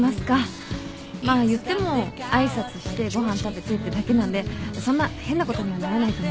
まあ言っても挨拶してご飯食べてってだけなんでそんな変なことにはならないと思います。